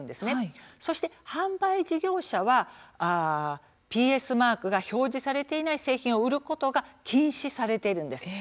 そして販売事業者はＰＳマークが表示されていない製品を売ることが禁止されているんです。